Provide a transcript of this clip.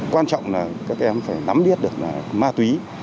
quan trọng là các em phải nắm biết được là ma túy